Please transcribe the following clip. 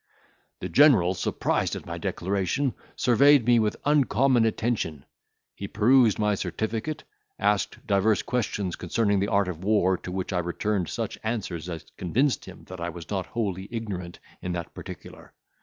"The general, surprised at my declaration, surveyed me with uncommon attention; he perused my certificate; asked divers questions concerning the art of war, to which I returned such answers as convinced him that I was not wholly ignorant in that particular.